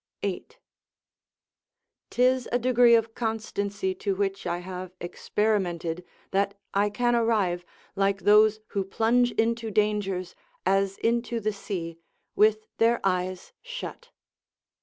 8.] 'tis a degree of constancy to which I have experimented, that I can arrive, like those who plunge into dangers, as into the sea, with their eyes shut.